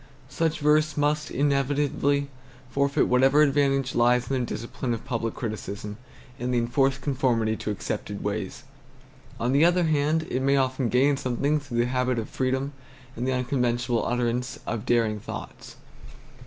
Such verse must inevitably forfeit whatever advantage lies in the discipline of public criticism and the enforced conformity to accepted ways. On the other hand, it may often gain something through the habit of freedom and the unconventional utterance of daring thoughts.